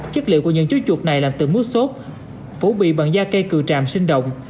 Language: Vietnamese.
chất liệu của những chú chuột này làm từ mút xốp phổ bị bằng da cây cừu tràm sinh động